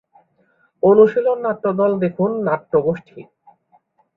অনুশীলন নাট্যদল দেখুন নাট্যগোষ্ঠী।